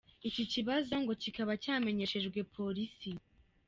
Iki kibazo ngo kikaba cyamenyeshejwe Police.